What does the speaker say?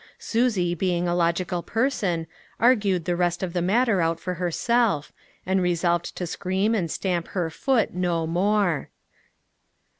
Susie being a logical person, argued the rest of the matter out for herself, and resolved to scream and stamp her foot no more.